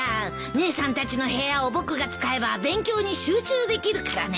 姉さんたちの部屋を僕が使えば勉強に集中できるからね。